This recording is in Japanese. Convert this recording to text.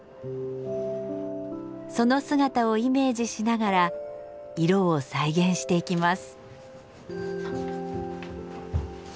その姿をイメージしながら色を再現していきます。